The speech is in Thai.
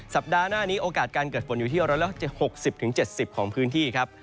สัปดาห์หน้านี้โอกาสการเกิดฝนอยู่ที่๑๖๐๗๐ของพื้นที่ครับ